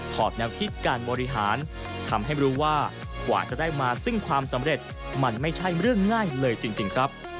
แนวคิดการบริหารทำให้รู้ว่ากว่าจะได้มาซึ่งความสำเร็จมันไม่ใช่เรื่องง่ายเลยจริงครับ